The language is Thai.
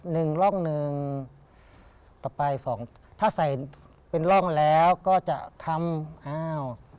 หนึ่งร่องหนึ่งต่อไปสองถ้าใส่เป็นร่องแล้วก็จะทำอ้าว